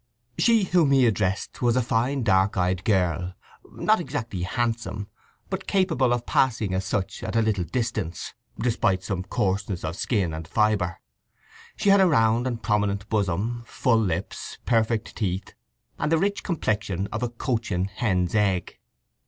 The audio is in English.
She whom he addressed was a fine dark eyed girl, not exactly handsome, but capable of passing as such at a little distance, despite some coarseness of skin and fibre. She had a round and prominent bosom, full lips, perfect teeth, and the rich complexion of a Cochin hen's egg.